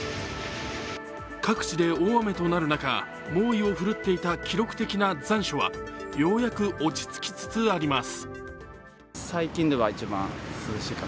各地で大雨となる中、猛威を振るっていた記録的な残暑はようやく落ち着きつつあります